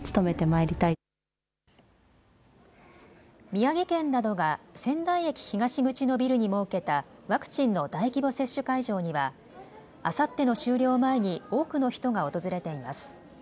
宮城県などが仙台駅東口のビルに設けた、ワクチンの大規模接種会場には、あさっての終了を前に多くの人が訪れています。